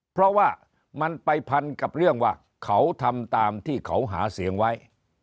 เพราะว่ามันไปพันกับเรื่องว่าเขาทำตามที่เขาหาเสียงไว้